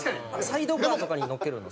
サイドカーとかに乗っけるの？